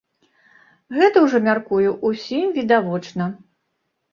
Гэта ўжо, мяркую, усім відавочна.